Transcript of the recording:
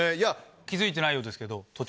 気付いてないようですけど。